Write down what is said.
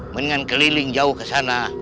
mendingan keliling jauh ke sana